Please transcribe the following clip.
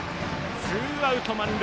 ツーアウト満塁。